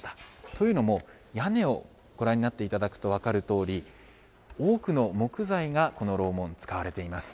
というのも、屋根をご覧になっていただくと分かるとおり、多くの木材がこの楼門、使われています。